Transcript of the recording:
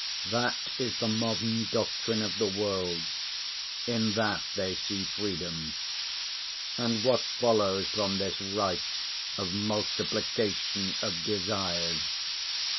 That is the modern doctrine of the world. In that they see freedom. And what follows from this right of multiplication of desires?